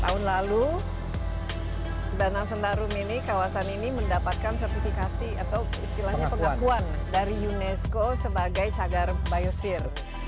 tahun lalu danau sentarum ini kawasan ini mendapatkan sertifikasi atau istilahnya pengakuan dari unesco sebagai cagar biosfer